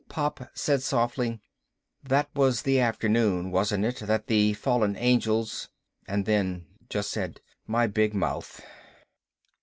Pop said softly, "That was the afternoon, wasn't it, that the fallen angels ..." and then just said, "My big mouth."